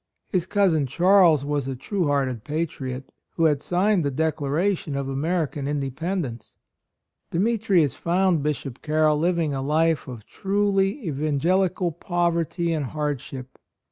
His cousin Charles was a true 56 A ROYAL SON hearted patriot, who had signed the Declaration of American Independence. Demetrius found Bishop Carroll living a life of truly evangelical poverty and hardship.